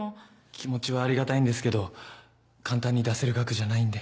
気持ちはありがたいんですけど簡単に出せる額じゃないんで。